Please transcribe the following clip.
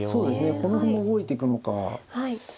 この歩も動いていくのかうん。